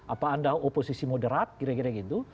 apa anda oposisi moderat kira kira gitu